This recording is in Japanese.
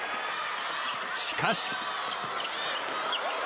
しかし。